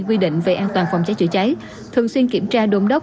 quy định về an toàn phòng cháy chữa cháy thường xuyên kiểm tra đôn đốc